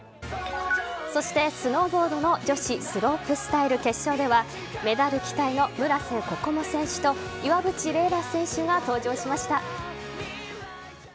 そして、スノーボードの女子スロープスタイル決勝ではメダル期待の村瀬心椛選手と岩渕麗楽選手が登場しました。